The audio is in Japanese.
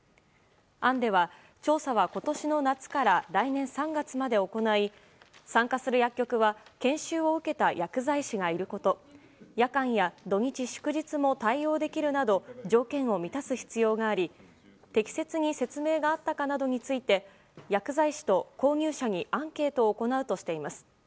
案では調査は今年の夏から来年３月まで行い参加する薬局は研修を受けた薬剤師がいること夜間や土日祝日も対応できるなど条件を満たす必要があり、適切に説明があったかなどについて薬剤師と購入者にアンケートを行うとしています。